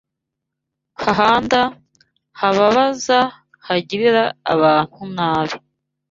Hahanda: hababaza, hagirira abantu nabi